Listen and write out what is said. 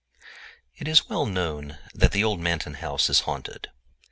I It is well known that the old Manton house is haunted.